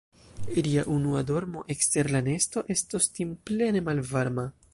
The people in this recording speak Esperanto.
Ria unua dormo ekster la nesto estos timplene malvarma.